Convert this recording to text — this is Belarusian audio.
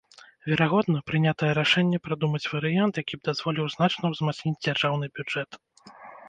Верагодна, прынятае рашэнне прадумаць варыянт, які б дазволіў значна ўзмацніць дзяржаўны бюджэт.